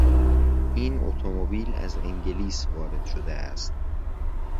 این اتومبیل از انگلیس وارد شده است.